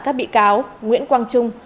các bị cáo nguyễn quang trung